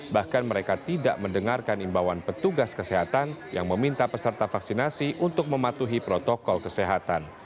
bahkan mereka tidak mendengarkan imbauan petugas kesehatan yang meminta peserta vaksinasi untuk mematuhi protokol kesehatan